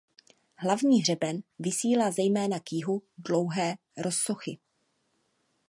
Hlavní hřeben vysílá zejména k jihu dlouhé rozsochy.